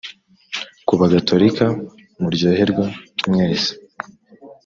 ku bagatorika muryoherwe mwese